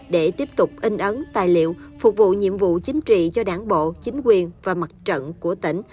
để tiếp tục in ấn tài liệu phục vụ nhiệm vụ chính trị cho đảng bộ chính quyền và mặt trận của tỉnh